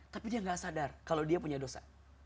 tapi dia nggak sadar kalau dia punya dosa